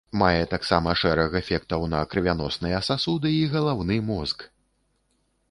Мае таксама шэраг эфектаў на крывяносныя сасуды і галаўны мозг.